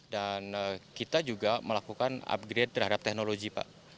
dan kita juga melakukan upgrade terhadap teknologi pak